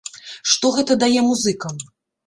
Што гэта дае музыкам?